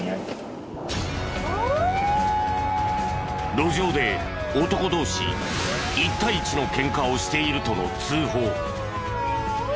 路上で男同士１対１のケンカをしているとの通報。